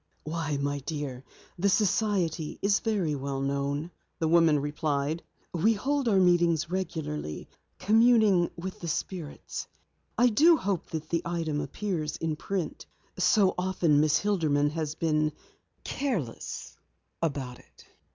"Why, my dear, the society is very well known," the woman replied. "We hold our meetings regularly, communing with the spirits. I do hope that the item appears in print. So often Miss Hilderman has been careless about it."